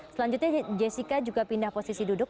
selanjutnya jessica juga pindah posisi duduk